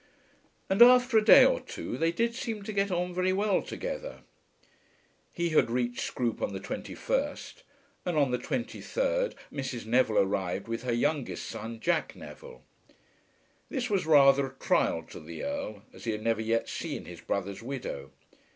And after a day or two they did seem to get on very well together. He had reached Scroope on the 21st, and on the 23rd Mrs. Neville arrived with her youngest son Jack Neville. This was rather a trial to the Earl, as he had never yet seen his brother's widow.